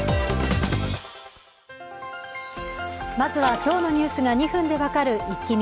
まずは今日のニュースが２分で分かるイッキ見。